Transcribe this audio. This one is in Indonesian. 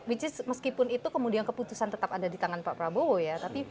which is meskipun itu kemudian keputusan tetap ada di tangan pak prabowo ya